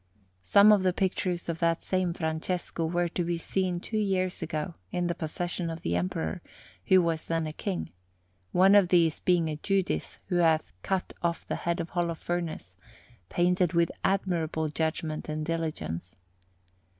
Some of the pictures of that same Francesco were to be seen two years ago in the possession of the Emperor, who was then a King; one of these being a Judith who has cut off the head of Holofernes, painted with admirable judgment and diligence.